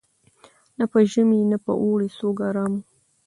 نه په ژمي نه په اوړي څوک آرام وو